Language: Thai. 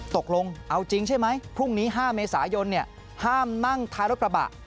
ตกลงเอาจริงใช่ไหมพรุ่งนี้๕เมษายนห้ามนั่งท้ายรถกระบะ